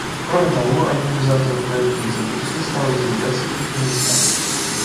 Кроме того, одним из авторов проекта резолюции стала делегация Туркменистана.